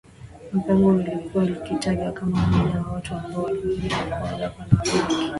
la Mpango lilikuwa likitajwa kama mmoja wa watu ambao walipendekezwa kuwa Gavana wa Benki